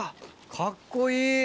かっこいい！